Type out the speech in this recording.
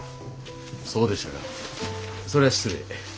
そうでしたかそれは失礼。